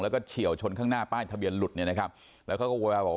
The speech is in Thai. แล้วก็เฉียวชนข้างหน้าป้ายทะเบียนหลุดเนี่ยนะครับแล้วเขาก็โวยวายบอกว่า